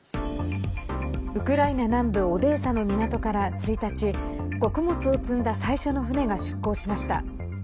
ウクライナ南部オデーサの港から１日穀物を積んだ最初の船が出港しました。